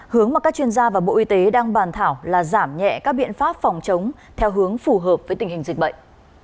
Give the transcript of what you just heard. hướng mà các chuyên gia và bộ y tế đang bàn thảo là giảm nhẹ các biện pháp phòng chống theo hướng phù hợp với tình hình dịch bệnh